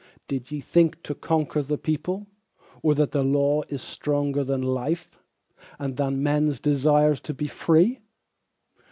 Did ye think to conquer the people, or that law is stronger than life, And than menŌĆÖs desire to be free?